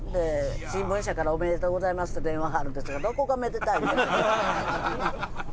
新聞社からおめでとうございますって電話あるんですけどどこがめでたいねん。